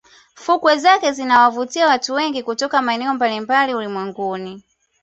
Fukwe zake zinawavutia watu wengi kutoka maeneo mbalimbali ya ulimwengu